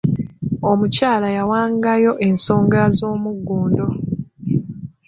Omukyala yawangayo ensonga z'omugundu.